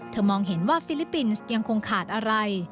มองเห็นว่าฟิลิปปินส์ยังคงขาดอะไร